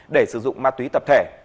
để sử dụng ma túy tập thể